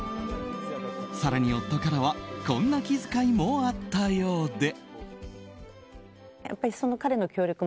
更に、夫からはこんな気遣いもあったようで。